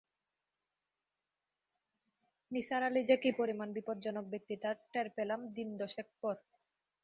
নিসার আলি যে কী পরিমাণ বিপজ্জনক ব্যক্তি তা টের পেলাম দিন দশেক পর।